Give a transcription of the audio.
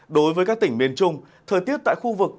đối với các tỉnh miền trung thời tiết tại khu vực